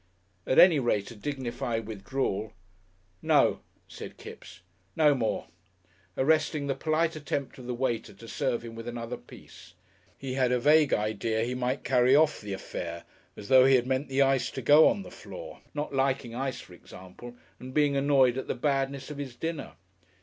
At any rate a dignified withdrawal. "No!" said Kipps, "no more," arresting the polite attempt of the waiter to serve him with another piece. He had a vague idea he might carry off the affair as though he had meant the ice to go on the floor not liking ice, for example, and being annoyed at the badness of his dinner.